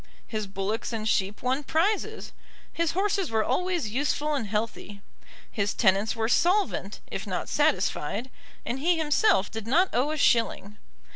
His bullocks and sheep won prizes. His horses were always useful and healthy. His tenants were solvent, if not satisfied, and he himself did not owe a shilling.